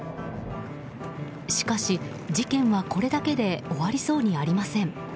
しかし事件は、これだけで終わりそうにありません。